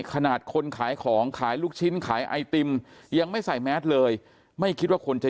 ขนาดคนขายของขายลูกชิ้นขายไอติมยังไม่ใส่แมสเลยไม่คิดว่าคนจะ